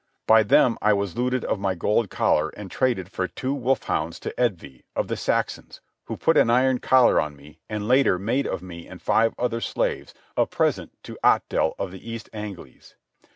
By them I was looted of my gold collar and traded for two wolf hounds to Edwy, of the Saxons, who put an iron collar on me, and later made of me and five other slaves a present to Athel of the East Angles.